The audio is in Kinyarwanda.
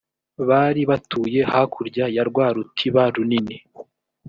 bari batuye hakurya ya rwa rutiba runini